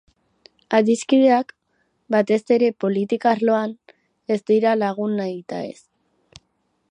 Adiskideak, batez ere politika arloan, ez dira lagun nahitaez.